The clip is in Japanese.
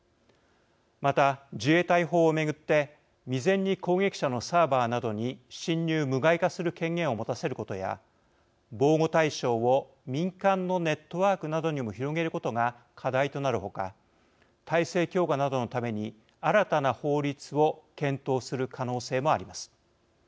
また、自衛隊法を巡って未然に攻撃者のサーバーなどに侵入、無害化する権限を持たせることや防護対象を民間のネットワークなどにも広げることが課題となる他体制強化などのために新たな法律を検討する可能性もあります。